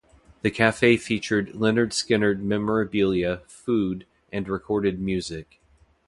The cafe featured Lynyrd Skynyrd memorabilia, food and recorded music.